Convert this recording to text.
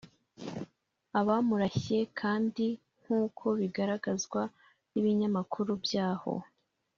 Abamurashye kandi nkuko bigaragazwa n’ibinyamakuru byaho